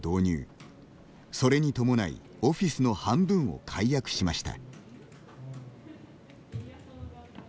それに伴いオフィスの半分を解約しました。